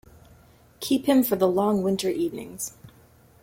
Keep him for the long winter evenings.